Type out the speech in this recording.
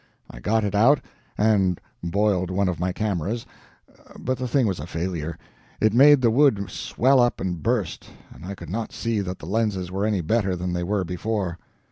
I got it out, and boiled one of my cameras, but the thing was a failure; it made the wood swell up and burst, and I could not see that the lenses were any better than they were before.